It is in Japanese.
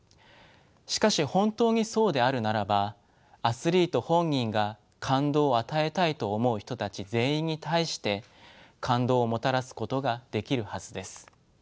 しかし本当にそうであるならばアスリート本人が「感動を与えたい」と思う人たち全員に対して感動をもたらすことができるはずです。